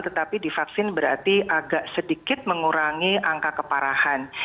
tetapi divaksin berarti agak sedikit mengurangi angka keparahan